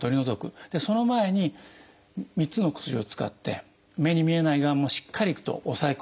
その前に３つのお薬を使って目に見えないがんもしっかりと抑え込むと。